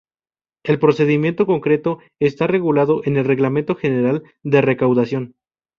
El procedimiento concreto está regulado en el Reglamento General de Recaudación.